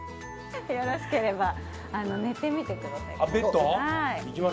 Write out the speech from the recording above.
よろしければ寝てみてください。